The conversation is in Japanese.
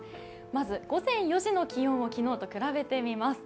まず午前４時の気温を昨日と比べてみます。